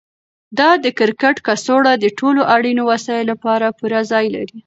دا د کرکټ کڅوړه د ټولو اړینو وسایلو لپاره پوره ځای لري.